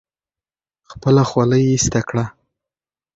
خپله خولۍ ایسته کړه.